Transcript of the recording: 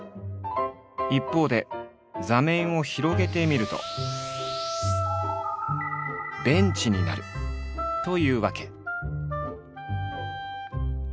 一方で座面を広げてみるとベンチになるというわけ。